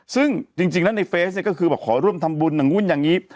ซึ่งจริงแล้วในเฟซเนี่ยก็คือบอกขอร่วมทำบุญอย่างนู้นอย่างนี้